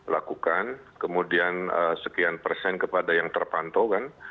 lakukan kemudian sekian persen kepada yang terpantau kan